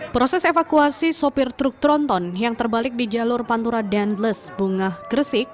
proses evakuasi sopir truk tronton yang terbalik di jalur pantura denles bungah gresik